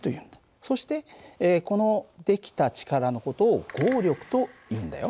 そしてこの出来た力の事を合力というんだよ。